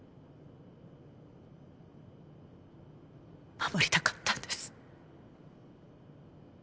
守りたかったんです。